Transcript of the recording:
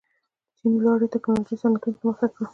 چین لوړې تکنالوژۍ صنعتونو ته مخه کړه.